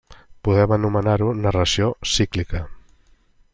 Podem anomenar-ho: narració cíclica.